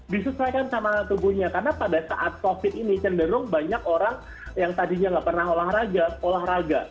disesuaikan sama tubuhnya karena pada saat covid ini cenderung banyak orang yang tadinya nggak pernah olahraga olahraga